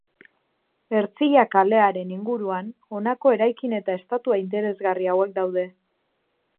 Ertzilla kalearen inguruan honako eraikin eta estatua interesgarri hauek daude.